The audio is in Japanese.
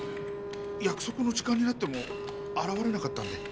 やくそくの時間になってもあらわれなかったんで。